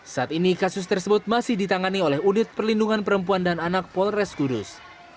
saat ini kasus tersebut masih ditangani oleh unit perlindungan perempuan dan anak polres kudus